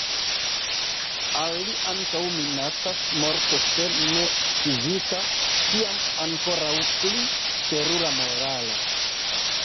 Al li ankaŭ minacas morto, se ne fizika, tiam ankoraŭ pli terura morala.